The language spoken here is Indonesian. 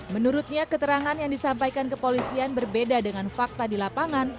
menurutnya keterangan yang disampaikan kepolisian berbeda dengan fakta di lapangan